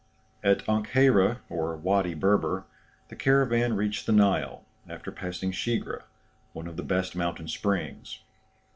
At Ankheyre, or Wady Berber, the caravan reached the Nile, after passing Shigre, one of the best mountain springs.